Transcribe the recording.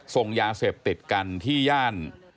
ส่งยาเสพติดกันที่ย่าน